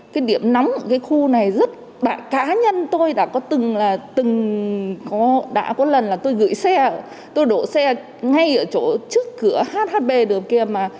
cái điểm nóng ở cái khu này rất cá nhân tôi đã có từng là từng đã có lần là tôi gửi xe ạ tôi đổ xe ngay ở chỗ trước cửa hhb điều kia mà